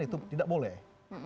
itu tidak boleh